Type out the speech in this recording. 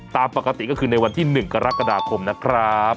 ตามปกติก็คือในวันที่๑กรกฎาคมนะครับ